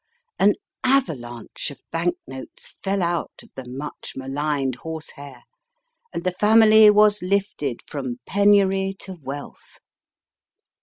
an avalanche of banknotes fell out of the much I ii4 MY FIRST BOOK maligned horsehair, and the family was lifted from penury to wealth.